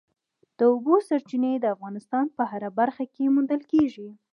د اوبو سرچینې د افغانستان په هره برخه کې موندل کېږي.